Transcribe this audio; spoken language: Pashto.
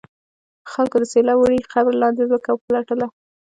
خلکو د سیلاب وړي قبر لاندې ځمکه وپلټله.